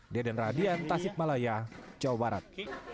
deden radian tasikmalaya jawa barat